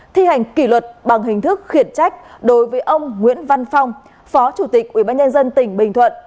thi hành kỷ luật bằng hình thức khiển trách đối với ông nguyễn văn phong phó chủ tịch ubnd tỉnh bình thuận